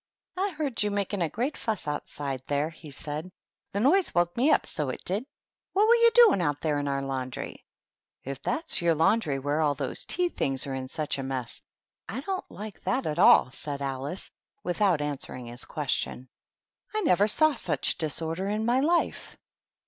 "I heard you making a great fuss outside there," he said. " The noise woke me up, so it did! What were you doing out there in our laundry ?" "If thaVa your laundry where all those tea things are in such a mess, I don't like that at 58 THE TEA TABLE. a///' said Alice, without answering his question. "I never saw such disorder ill my life."